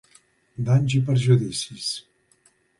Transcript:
Danys i perjudicis.